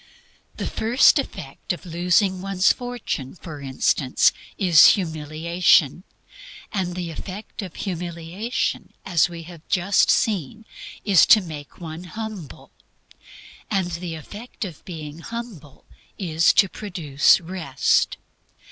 The first effect of losing one's fortune, for instance, is humiliation; and the effect of humiliation, as we have just seen, is to make one humble; and the effect of being humble is to produce Rest.